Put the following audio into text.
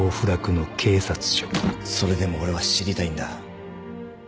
それでも俺は知りたいんだ。